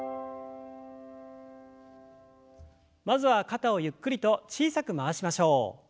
まずは肩をゆっくりと小さく回しましょう。